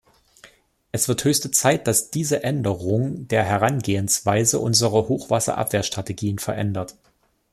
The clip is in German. Es wird höchste Zeit, dass diese Änderung der Herangehensweise unsere Hochwasserabwehrstrategien verändert.